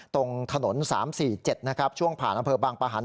ตรงถนน๓๔๗ช่วงผ่านลำเผลอบางประหันต์